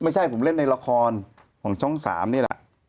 ไม่ใช่ผมเล่นในละครของช่อง๓นี่แหละ